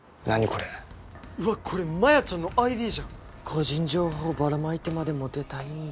これうわこれマヤちゃんのＩＤじゃん個人情報ばらまいてまでモテたいんだ